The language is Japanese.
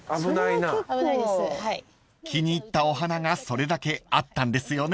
［気に入ったお花がそれだけあったんですよね］